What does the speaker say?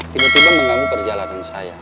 tiba tiba mengambil perjalanan saya